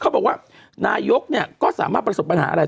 เขาบอกว่านายกเนี่ยก็สามารถประสบปัญหาอะไร